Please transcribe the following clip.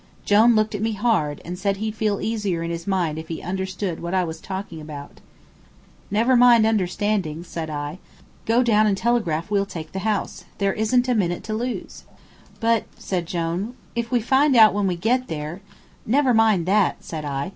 Jone looked at me hard, and said he'd feel easier in his mind if he understood what I was talking about. "Never mind understanding," I said. "Go down and telegraph we'll take the house. There isn't a minute to lose!" "But," said Jone, "if we find out when we get there " "Never mind that," said I.